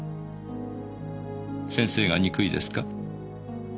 先生が憎いですか？